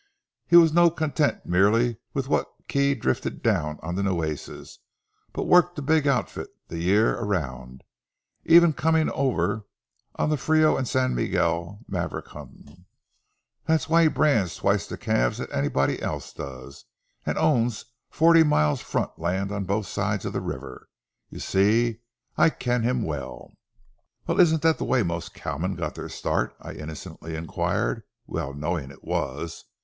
He was no content merely wi' what kye drifted doon on the Nueces, but warked a big outfit the year around, e'en comin' ower on the Frio an' San Miguel maverick huntin'. That's why he brands twice the calves that onybody else does, and owns a forty mile front o' land on both sides o' the river. Ye see, I ken him weel." "Well, isn't that the way most cowmen got their start?" I innocently inquired, well knowing it was.